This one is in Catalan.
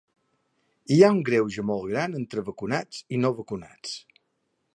Hi ha un greuge molt gran entre vacunats i no vacunats.